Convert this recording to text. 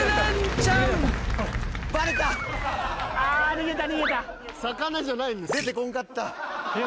逃げた逃げた。